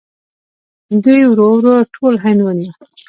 دوی ورو ورو ټول هند ونیو.